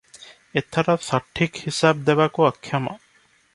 ଏଥର ସଠିକ ହିସାବ ଦେବାକୁ ଅକ୍ଷମ ।